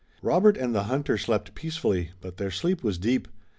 Robert and the hunter slept peacefully, but their sleep was deep.